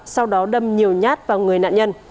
sau đó đâm nhiều nhát vào người nạn nhân